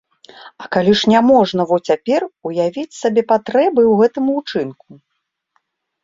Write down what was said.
А калі ж няможна во цяпер уявіць сабе патрэбы ў гэтым учынку.